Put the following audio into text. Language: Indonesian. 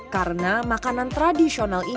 karena makanan tradisional indonesia